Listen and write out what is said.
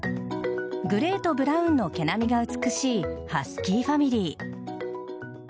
グレーとブラウンの毛並みが美しいハスキーファミリー。